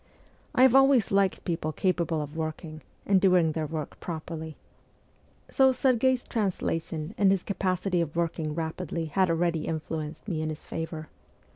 I have always liked people capable of working, and doing their work properly. So Serghei's translation 112 MEMOIKS OF A KEVOLUTIONIST and his capacity of working rapidly had already influenced me in his favour.